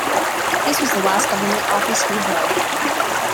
This was the last government office he held.